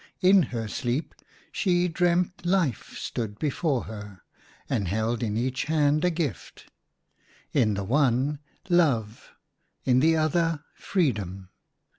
In her sleep she dreamt Life stood before her, and held in each hand a gift — in the one Love, in the other Freedom.